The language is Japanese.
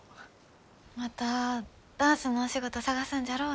またダンスのお仕事探すんじゃろう？